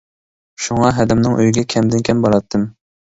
شۇڭا ھەدەمنىڭ ئۆيىگە كەمدىن كەم باراتتىم.